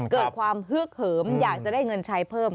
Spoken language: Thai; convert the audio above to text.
เกิดความฮึกเหิมอยากจะได้เงินใช้เพิ่ม